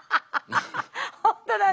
本当だね。